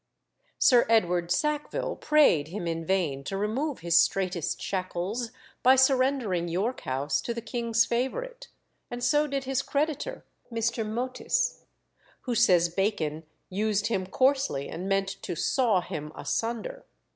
Sir Edward Sackville prayed him in vain to remove his straitest shackles by surrendering York House to the king's favourite; and so did his creditor, Mr. Meautys, who, says Bacon, used him "coarsely," and meant "to saw him asunder."